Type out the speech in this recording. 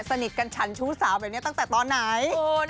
สนิทกันฉันชู้สาวแบบนี้ตั้งแต่ตอนไหน